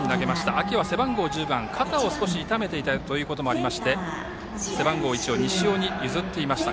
秋は背番号１０番で肩を少し痛めていたこともありまして背番号１を西尾に譲っていました。